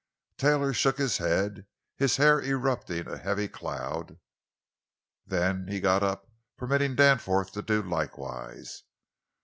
Taylor shook his head, his hair erupting a heavy cloud. Then he got up, permitting Danforth to do likewise.